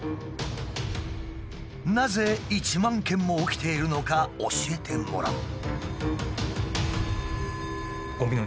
なぜ１万件も起きているのか教えてもらう。